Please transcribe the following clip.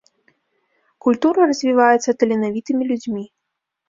Культура развіваецца таленавітымі людзьмі.